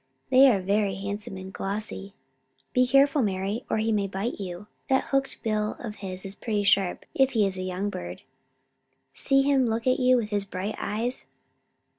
They are very handsome and glossy." "Be careful, Mari, or he may bite you. That hooked bill of his is pretty sharp, if he is a young bird. See him look at you with his bright eyes.